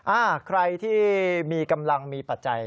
อ่าใครที่มีกำลังมีปัจจัย